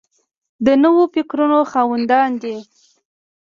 د نویو فکرونو خاوندان دي.